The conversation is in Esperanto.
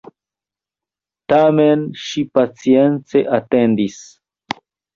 Tamen ŝi pacience atendis.